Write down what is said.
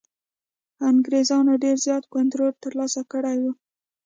انګرېزانو ډېر زیات کنټرول ترلاسه کړی وو.